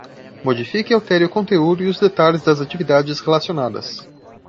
Modifique e altere o conteúdo e os detalhes das atividades relacionadas